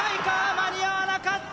間に合わなかった！